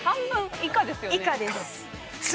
以下です